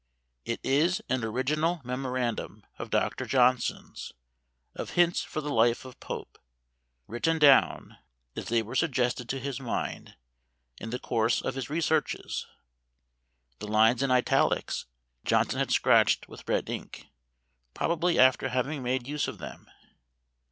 It is an original memorandum of Dr. Johnson's, of hints for the Life of Pope, written down, as they were suggested to his mind, in the course of his researches. The lines in Italics Johnson had scratched with red ink, probably after having made use of them.